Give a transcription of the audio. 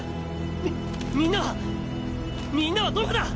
みみんなは⁉みんなはどこだ！